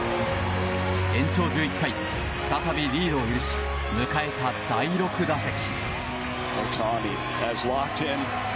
延長１１回、再びリードを許し迎えた第６打席。